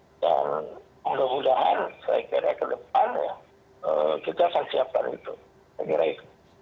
dan mudah mudahan saya kira ke depan kita akan siapkan itu